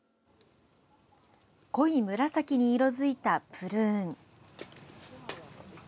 濃い紫に色づいたプルーン。